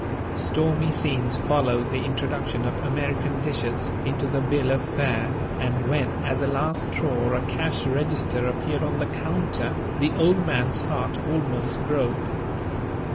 Stormy scenes followed the introduction of American dishes into the bill of fare, and when as a last straw a cash register appeared on the counter, the old man's heart almost broke.